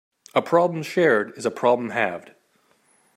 A problem shared is a problem halved.